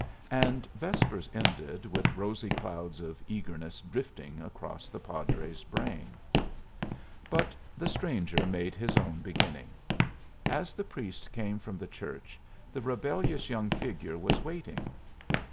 And vespers ended with rosy clouds of eagerness drifting across the padre's brain. But the stranger made his own beginning. As the priest came from the church, the rebellious young figure was waiting.